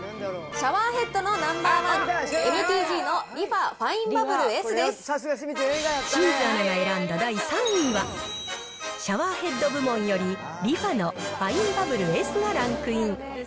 シャワーヘッドのナンバーワン、ＭＴＧのリファファインバブル清水アナが選んだ第３位は、シャワーヘッド部門より、リファのファインバブルエスがランクイン。